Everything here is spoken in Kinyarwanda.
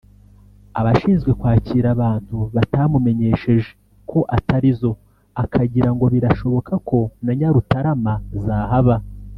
abashinzwe kwakira abantu batamumenyesheje ko atarizo akagira ngo birashoboka ko na Nyarutarama zahaba